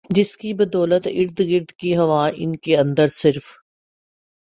جس کی بدولت ارد گرد کی ہوا ان کے اندر صرف